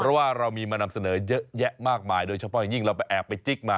เพราะว่าเรามีมานำเสนอเยอะแยะมากมายโดยเฉพาะอย่างยิ่งเราไปแอบไปจิ๊กมา